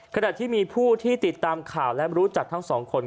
ขณะที่มีผู้ที่ติดตามข่าวและรู้จักทั้งสองคน